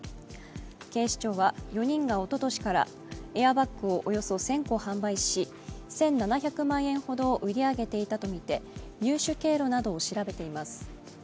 警視庁は４人がおととしからエアバッグをおよそ１０００個販売し１７００万円ほどを売り上げていたと見て入手経路などを調べています。